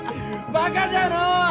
バカじゃのう！